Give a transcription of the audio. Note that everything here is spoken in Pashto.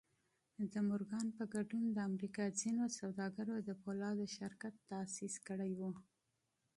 د مورګان په ګډون د امريکا ځينو سوداګرو د پولادو شرکت تاسيس کړی و.